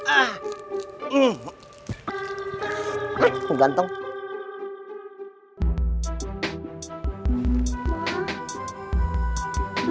alhamdulillah lebaran tahun ini dok